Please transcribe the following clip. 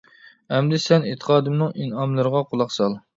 ئەمدى سەن ئېتىقادىمنىڭ ئىنئاملىرىغا قۇلاق سال!